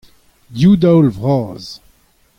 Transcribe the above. div daol vras.